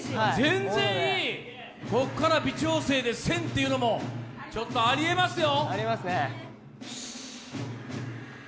全然いい、こっから微調整で１０００っていうのもありえますよ。